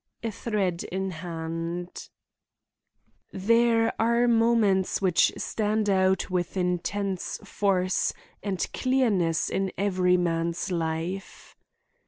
A THREAD IN HAND There are moments which stand out with intense force and clearness in every man's life.